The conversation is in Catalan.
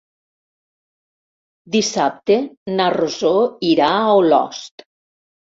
Dissabte na Rosó irà a Olost.